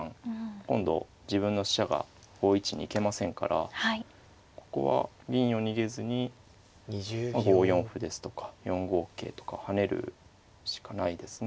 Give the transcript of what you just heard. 今度自分の飛車が５一に行けませんからここは銀を逃げずに５四歩ですとか４五桂とか跳ねるしかないですね。